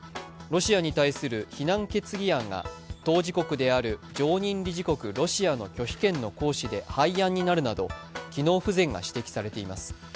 ロシアに対する非難決議案が当事国である常任理事国ロシアの拒否権の行使で廃案になるなど機能不全が指摘されています。